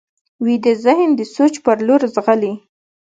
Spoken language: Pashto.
ویده ذهن د سوچ پر لور ځغلي